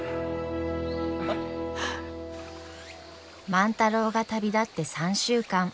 万太郎が旅立って３週間。